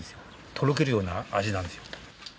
とろけるような味なんですよ。